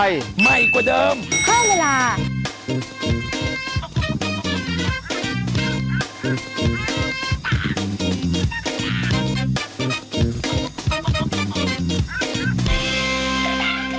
ยินดีด้วยนะคะ